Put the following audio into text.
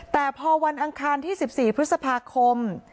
แต่พอวันอังคารที่๑๔พฤษภาคม